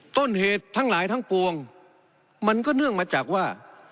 ต้นเหตุทั้งหลายทั้งปวงมันก็เนื่องมาจากว่า